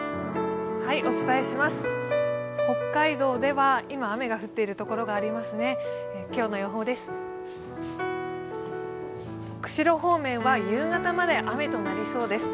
北海道では今、雨が降っているところがありますね。